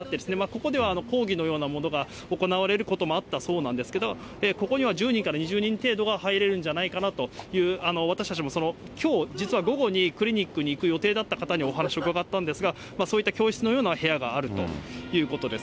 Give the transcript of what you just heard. そうなんですよ、そういう構造になってたようで、待合スペースがあって、その奥に教室のような部屋があって、ここでは講義のようなものが行われることもあったそうなんですけど、ここには１０人から２０人程度が入れるんじゃないかなと、私たちもそのきょう、実は午後にクリニックに行く予定だった方にお話を伺ったんですが、そういった教室のような部屋があるということです。